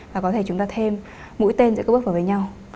và có thể chúng ta thêm mũi tên giữa các bước vào với nhau